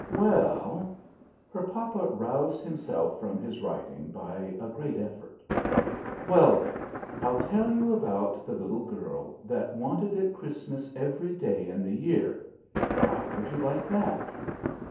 "Well!" Her papa roused himself from his writing by a great effort. "Well, then, I'll tell you about the little girl that wanted it Christmas every day in the year. How would you like that?"